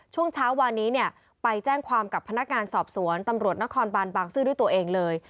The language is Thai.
ช่วงเช้าวานนี้เนี่ยไปแจ้งความกับพนักงานสอบสวนตำรวจนครบานบางซื่อด้วยตัวเองเลย